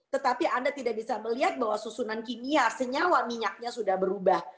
tetapi anda tidak bisa melihat bahwa susunan kimia senyawa minyaknya sudah berubah